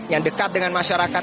yang dekat dengan masyarakat